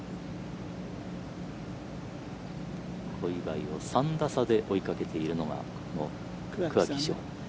小祝を３打差で追いかけているのがこの桑木志帆。